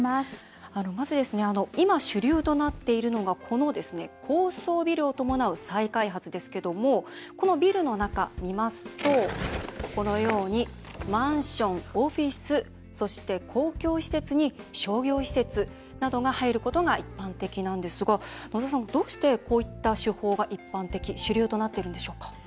まず、今、主流となっているのがこの高層ビルを伴う再開発ですけどもこのビルの中、見ますとこのようにマンション、オフィスそして、公共施設に商業施設などが入ることが一般的なんですが、野澤さんどうして、こういった手法が一般的、主流となっているんでしょうか？